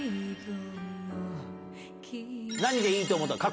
なんでいいと思ったの？